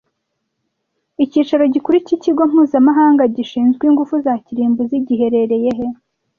Icyicaro gikuru cy’ikigo mpuzamahanga gishinzwe ingufu za kirimbuzi giherereye he